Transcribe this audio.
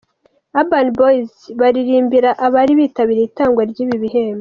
Urban Boys baririmbira abari bitabiriye itangwa ry'ibi bihembo.